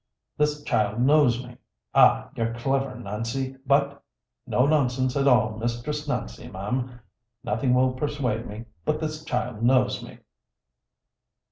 This child knows me. Aw, you're clever, Nancy, but no nonsense at all, Mistress Nancy, ma'am. Nothing will persuade me but this child knows me."